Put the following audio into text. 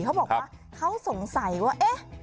เขาบอกว่าเขาสงสัยว่าเอ๊ะ